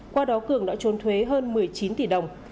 qua đó cường đã trốn thuế hơn một mươi chín tỷ đồng